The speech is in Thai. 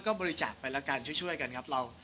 ก็บริจาคไปแล้วกันช่วยกันครับ